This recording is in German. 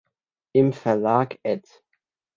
Im Verlag Ed.